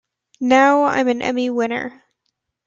Now I'm an Emmy winner.